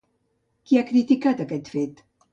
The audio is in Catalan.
Qui ha criticat aquest fet?